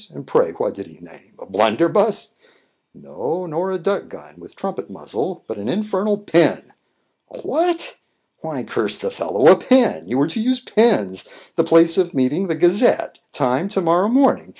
And, pray, what did he name? A blunderbuss?" "No; nor a duck gun, with trumpet muzzle; but an infernal pen!" "A what?" "Why, curse the fellow, a pen! You are to use pens the place of meeting, the Gazette time, to morrow morning.